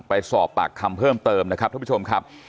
ไปสอบปากคำเพิ่มเติมนะครับท่านผู้ชมครับ